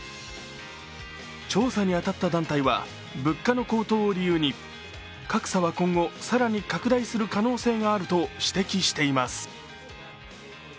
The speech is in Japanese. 調査に当たった団体は、物価の高騰を理由に格差は今後、更に拡大する可能性があると指摘しています。